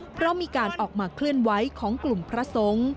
เพราะมีการออกมาเคลื่อนไหวของกลุ่มพระสงฆ์